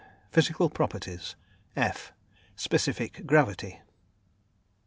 PHYSICAL PROPERTIES. F SPECIFIC GRAVITY.